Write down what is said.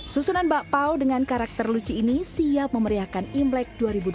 susunan bakpao dengan karakter lucu ini siap memeriahkan imlek dua ribu dua puluh